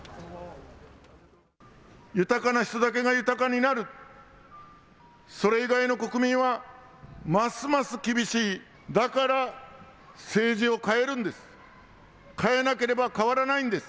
豊かな人だけが豊かになる、それ以外の国民はますます厳しい、だから、政治を変えるんです。